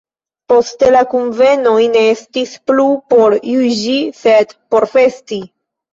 Poste la kunvenoj ne estis plu por juĝi sed por festi.